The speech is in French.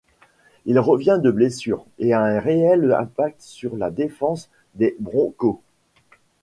Il revient de blessure et a un réel impact sur la défense des Broncos.